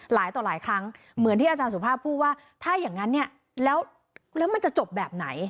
หลายต่อหลายครั้งเหมือนที่อาจารย์สุภาพพูดว่าถ้าอย่างนั้นเนี่ยแล้วมันจะจบแบบไหน